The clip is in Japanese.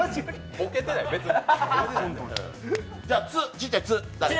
ボケてない、別に。